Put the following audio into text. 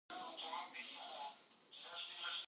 استاد د ټولني د معنوي پلار حیثیت لري.